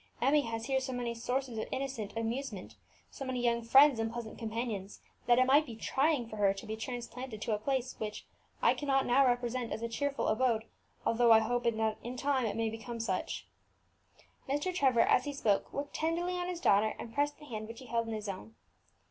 Emmie has here so many sources of innocent amusement, so many young friends and pleasant companions, that it might be trying for her to be transplanted to a place which I cannot now represent as a cheerful abode, though I hope that it in time may become such." Mr. Trevor, as he spoke, looked tenderly on his daughter, and pressed the hand which he held in his own.